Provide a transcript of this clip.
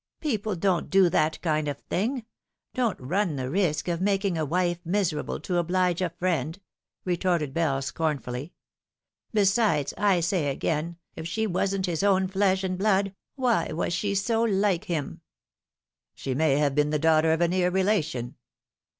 " People don't do that kind of thing don't run the risk of making a wife miserable to oblige a friend," retorted Bell scorn fully. " Besides, I say again, if she wasn't his own flesh and blood, why was she so like him ?"" She may have been the daughter of a near relation."